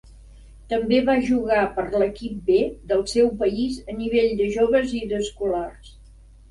També va jugar per l'equip "B" del seu país, a nivell de joves i d'escolars.